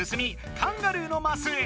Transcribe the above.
カンガルーのマスへ。